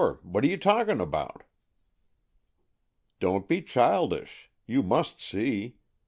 What are you talking about? "" Don't be childish. You must see.